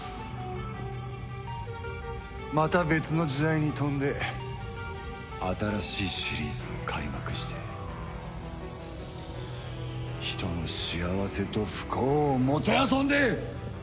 また別の時代に飛んで新しいシリーズを開幕して人の幸せと不幸をもてあそんで！